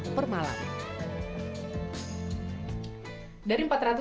untuk kamar yang bermalam